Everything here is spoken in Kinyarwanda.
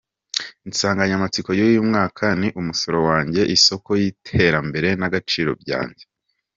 Insanganyamatsiko y’uyu mwaka ni: “Umusoro wanjye, isoko y’iterambere n’agaciro byanjye.